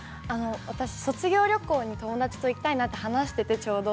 ◆私、卒業旅行に友達と行きたいなって話してて、ちょうど。